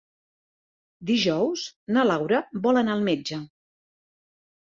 Dijous na Laura vol anar al metge.